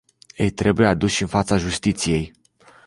Ei trebuie aduși în fața justiției.